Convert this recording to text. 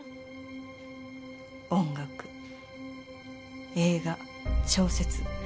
音楽映画小説。